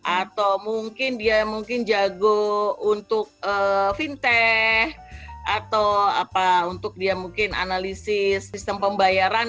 atau mungkin dia mungkin jago untuk fintech atau apa untuk dia mungkin analisis sistem pembayaran